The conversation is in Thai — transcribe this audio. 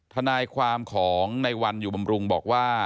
ทนายความของในวันอยู่บำรุงบอกว่า